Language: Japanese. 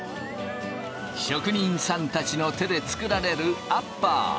職人さんたちの手で作られるアッパー。